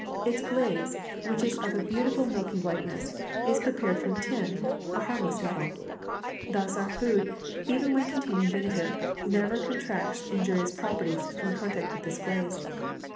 Its glaze, which is of a beautiful milky whiteness, is pre pared from tin, a harmless metal. Thus our food, even when containing vinegar, never contracts in jurious properties from contact with this glaze.